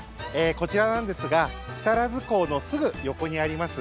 こちらなんですが木更津港のすぐ横にあります